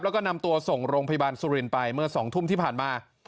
แล้วก็นำตัวส่งโรงพยาบาลสุรินทร์ไปเมื่อ๒ทุ่มที่ผ่านมา